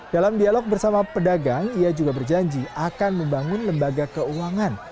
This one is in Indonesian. dalam dialog bersama pedagang ia juga berjanji akan membangun lembaga keuangan